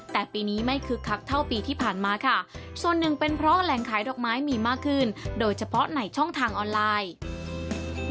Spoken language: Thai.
แต่ปีนี้ไม่คึกคักเท่าปีที่ผ่านมาค่ะส่วนหนึ่งเป็นเพราะแหล่งขายดอกไม้มีมากขึ้นโดยเฉพาะในช่องทางออนไลน์